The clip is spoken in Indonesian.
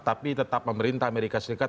tapi tetap pemerintah amerika serikat